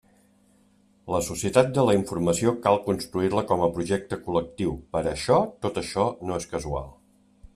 La Societat de la Informació cal construir-la com a projecte col·lectiu, per això tot això no és casual.